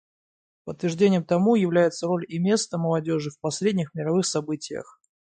Подтверждением тому являются роль и место молодежи в последних мировых событиях.